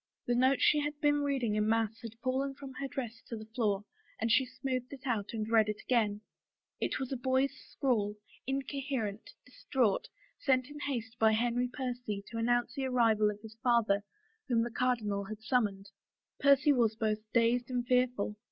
The note she had been reading in mass had fallen from her dress to the floor and she smoothed it out and read it again. It was a boy's scrawl, incoherent, distraught, sent in haste by Henry Percy to announce the arrival of his father whom the cardinal had summoned. Percy was both dazed and fearful.